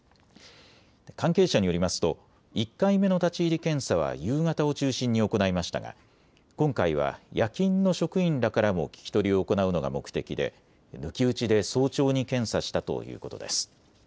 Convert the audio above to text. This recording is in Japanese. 関係者によりますと１回目の立ち入り検査は夕方を中心に行いましたが今回は夜勤の職員らからも聞き取りを行うのが目的で抜き打ちで早朝に検査したということです。